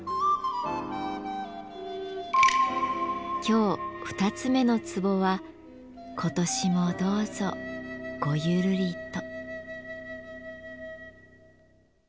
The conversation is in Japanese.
今日２つ目の壺は「今年もどうぞ、ごゆるりと」。